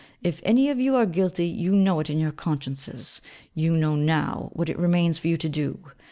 If any of you are guilty, you know it in your consciences: you know now what it remains for you to do.